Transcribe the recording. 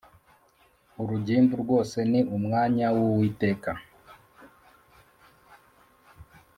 Urugimbu rwose ni umwanya w Uwiteka